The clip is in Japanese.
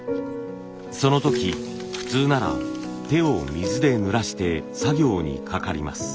その時普通なら手を水でぬらして作業にかかります。